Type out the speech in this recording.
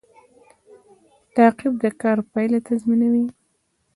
تعقیب د کار پایله تضمینوي